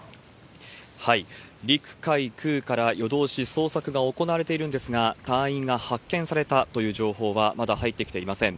陸海空から夜通し捜索が行われているんですが、隊員が発見されたという情報はまだ入ってきていません。